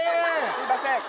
すいません。